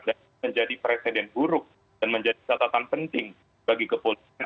dan menjadi presiden buruk dan menjadi catatan penting bagi kepolisian